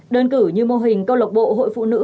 đơn cử như mô hình câu lạc bộ hội phụ nữ